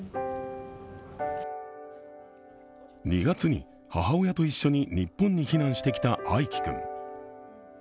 ２月に母親と一緒に日本に避難してきたアイキ君。